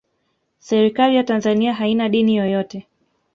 serikali ya tanzania haina dini yoyote